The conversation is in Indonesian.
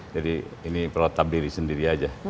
jadi ini perlontap diri sendiri aja